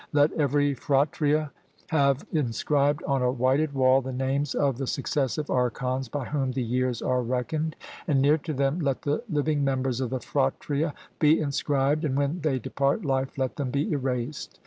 Let every phratria have inscribed on a whited wall the names of the successive archons by whom the years are reckoned. And near to them let the living members of the phratria be inscribed, and when they depart life let them be erased.